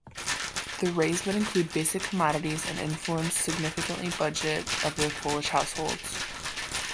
The raise would include basic commodities and influence significantly budget of the Polish households.